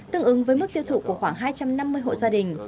tương ứng với mức tiêu thụ của khoảng hai trăm năm mươi hộ gia đình